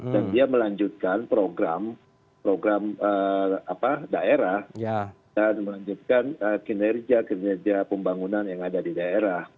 dan dia melanjutkan program program daerah dan melanjutkan kinerja kinerja pembangunan yang ada di daerah